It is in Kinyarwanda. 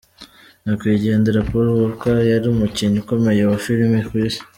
Nyakwigendera Paul Walker yari umukinnyi ukomeye wa filimi ku isi.